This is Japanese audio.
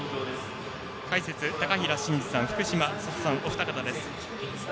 解説、高平慎士さんと福島千里さんのお二方です。